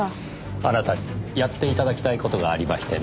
あなたにやって頂きたい事がありましてね。